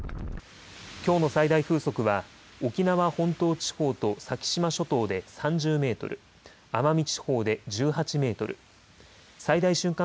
きょうの最大風速は沖縄本島地方と先島諸島で３０メートル、奄美地方で１８メートル、最大瞬間